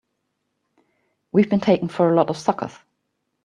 We've been taken for a lot of suckers!